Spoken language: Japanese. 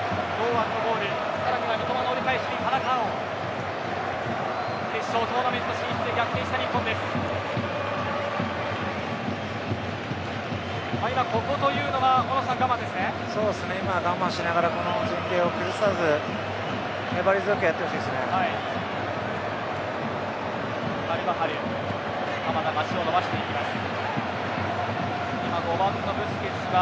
今、ここというのは我慢しながらこの陣形を崩さず粘り強くやってほしいですね。